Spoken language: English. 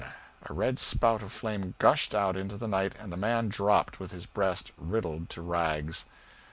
A red spout of flame gushed out into the night, and the man dropped, with his breast riddled to rags.